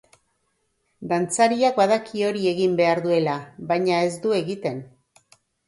Dantzariak badaki hori egin behar duela, baina ez du egiten.